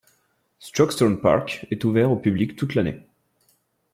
Strokestown Park est ouvert au public toute l'année.